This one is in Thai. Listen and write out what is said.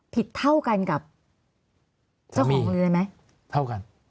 ผิดเท่ากันกับเจ้าของคุณใช่ไหม